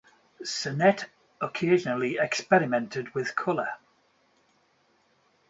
Sennett occasionally experimented with color.